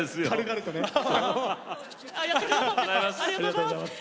ありがとうございます。